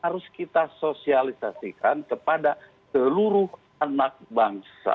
harus kita sosialisasikan kepada seluruh anak bangsa